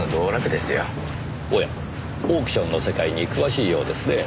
おやオークションの世界に詳しいようですねぇ。